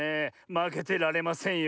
まけてられませんよ。